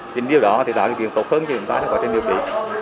trình điều đó thì đoạn điều tốt hơn cho người ta là quá trình điều trị